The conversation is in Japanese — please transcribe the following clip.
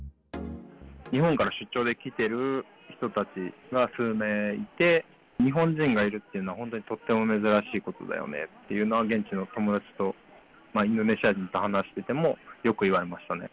日本から出張で来てる人たちが数名いて、日本人がいるというのは、本当にとっても珍しいことだよねっていうのは現地の友達と、インドネシア人と話してても、よく言われましたね。